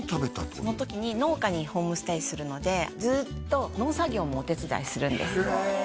その時に農家にホームステイするのでずっと農作業もお手伝いするんですへえ